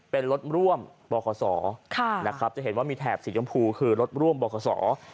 เป็นรถร่วมบศจะเห็นว่ามีแถบสียำพูคือรถร่วมบศ